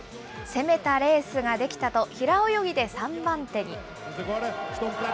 攻めたレースができたと、平泳ぎで３番手に。